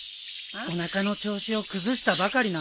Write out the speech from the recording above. おなかの調子を崩したばかりなんだろ？